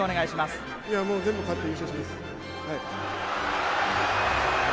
いや、もう全部勝って優勝します。